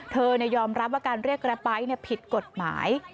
เธอเนี่ยยอมรับว่าการเรียกแกรปบ้ายเนี่ยผิดกฎหมาย